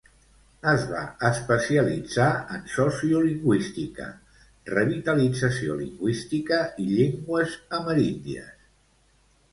Es va especialitzar en sociolingüística, revitalització lingüística i llengües ameríndies.